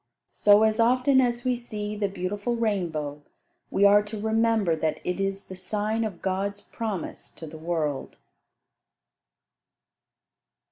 So as often as we see the beautiful rainbow, we are to remember that it is the sign of God's promise to the world.